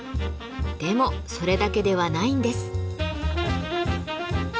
でもそれだけではないんです。